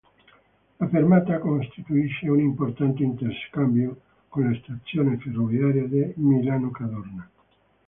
La fermata costituisce un importante interscambio con la stazione ferroviaria di Milano Cadorna.